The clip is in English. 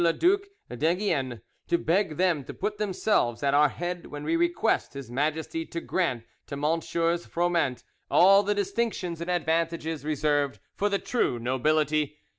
le Duc d'Enghien, to beg them to put themselves at our head when we request His Majesty to grant to MM. Froment all the distinctions and advantages reserved for the true nobility.